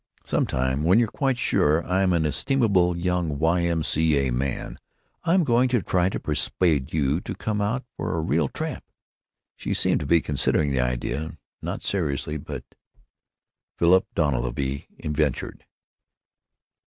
"Some time, when you're quite sure I'm an estimable young Y. M. C. A. man, I'm going to try to persuade you to come out for a real tramp." She seemed to be considering the idea, not seriously, but—— Philip Dunleavy eventuated.